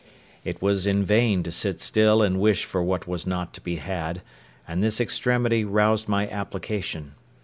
It was in vain to sit still and wish for what was not to be had; and this extremity roused my application.